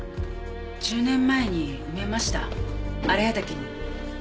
１０年前に埋めました荒谷岳に。